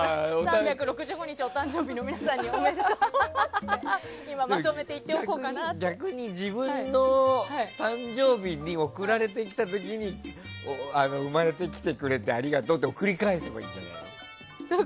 ３６５日お誕生日の皆さんに逆に自分の誕生日に送られてきた時に生まれてきてくれてありがとうって送り返せばいいんじゃない？